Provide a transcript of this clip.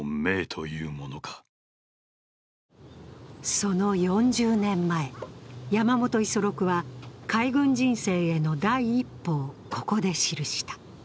その４０年前、山本五十六は海軍人生への第一歩をここで記した。